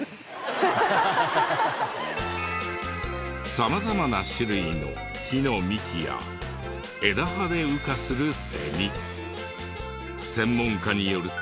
様々な種類の木の幹や枝葉で羽化するセミ。